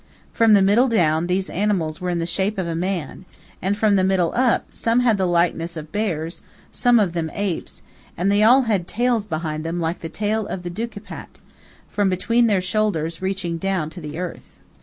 From the middle down, these animals were in the shape of a man, and from the middle up some had the likeness of bears, some of apes, and they all had tails behind them like the tail of the dukipat, from between their shoulders reaching down to the earth.